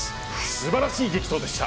素晴らしい激闘でした。